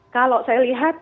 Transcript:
kalau saya lihat